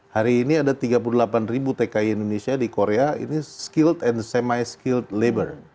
hari ini ada tiga puluh delapan ribu tki indonesia di korea ini skill and semi skill labor